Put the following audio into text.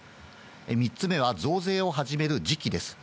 ３つ目は増税を始める時期です。